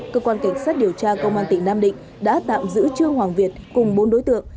cơ quan cảnh sát điều tra công an tỉnh nam định đã tạm giữ trương hoàng việt cùng bốn đối tượng